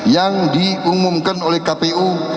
yang diumumkan oleh kpu